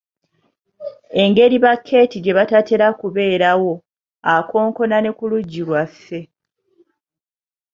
Engeri ba Keeti gye batatera kubeerawo, akonkona ne ku lujji lwaffe.